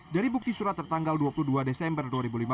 dari bukti surat tertanggal dua puluh dua desember dua ribu lima belas